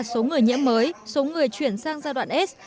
số người nhiễm mới số người chuyển sang giai đoạn s